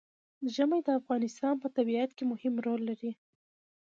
ژمی د افغانستان په طبیعت کې مهم رول لري.